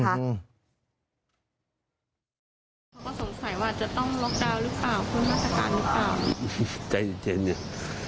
เขาก็สงสัยว่าจะต้องล็อคดาวน์หรือเปล่าคุณมาศกาลหรือเปล่า